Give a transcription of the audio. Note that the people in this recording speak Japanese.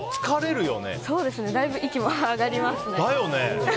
だいぶ息も上がりますね。